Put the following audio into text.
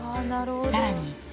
さらに。